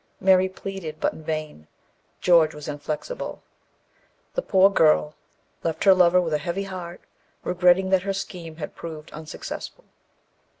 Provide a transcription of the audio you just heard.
Mary pleaded, but in vain. George was inflexible. The poor girl left her lover with a heavy heart, regretting that her scheme had proved unsuccessful.